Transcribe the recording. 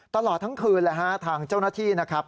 ตลอดทั้งคืนเลยฮะทางเจ้าหน้าที่นะครับ